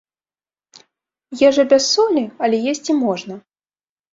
Ежа без солі, але есці можна.